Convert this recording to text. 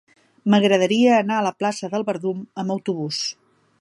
M'agradaria anar a la plaça del Verdum amb autobús.